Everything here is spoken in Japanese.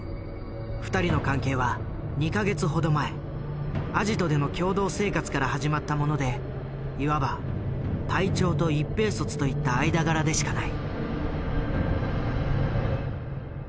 二人の関係は２か月ほど前アジトでの共同生活から始まったものでいわば隊長と一兵卒といった間柄でしかない。